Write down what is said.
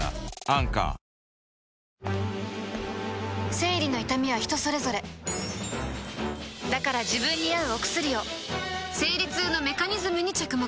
生理の痛みは人それぞれだから自分に合うお薬を生理痛のメカニズムに着目